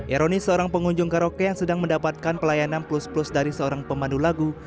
ironis seorang pengunjung karaoke yang sedang mendapatkan pelayanan plus plus dari seorang pemandu lagu